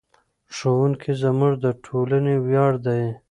ښوونکي زموږ د ټولنې ویاړ دي.